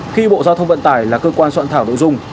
khi bộ giao thông vận tải là cơ quan soạn thảo nội dung